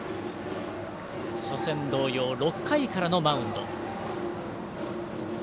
初戦同様、６回からのマウンド。